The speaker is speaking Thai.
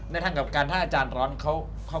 ทางกับการถ้าอาจารย์ร้อนเขา